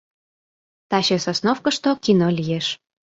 — Таче Сосновкышто кино лиеш...